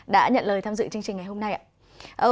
đã nhận lời tham dự chương trình ngày hôm nay ạ